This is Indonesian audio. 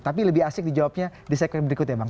tapi lebih asik dijawabnya di sekret berikutnya ya bang